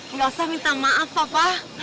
nggak usah minta maaf papa